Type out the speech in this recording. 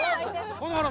ほらほら